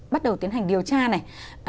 bắt đầu tiến hành điều tra này